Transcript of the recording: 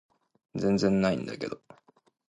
全然ないんだけど